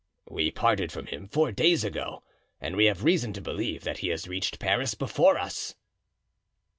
"We parted from him four days ago and we have reason to believe that he has reached Paris before us."